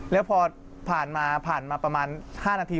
แล้วพอผ่านมาผ่านมาประมาณ๕นาที